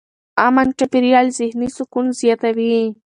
امن چاپېریال ذهني سکون زیاتوي.